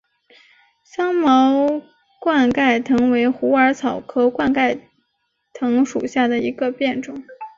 柔毛冠盖藤为虎耳草科冠盖藤属下的一个变种。